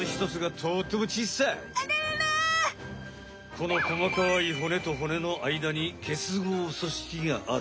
このこまかい骨と骨の間に結合組織がある。